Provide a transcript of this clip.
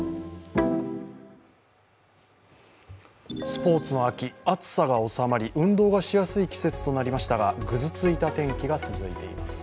スポーツの秋、暑さが収まり運動がしやすい季節となりましたがぐずついた天気が続いています。